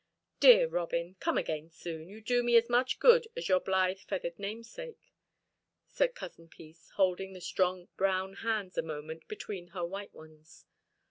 "Dear Robin, come soon again; you do me as much good as your blithe feathered namesake," said Cousin Peace, holding the strong, brown hands a moment between her white ones.